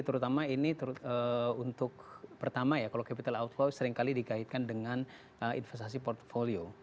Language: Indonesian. terutama ini untuk pertama ya kalau capital outflow seringkali dikaitkan dengan investasi portfolio